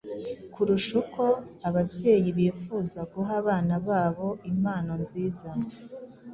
kurusha uko ababyeyi bifuza guha abana babo impano nziza.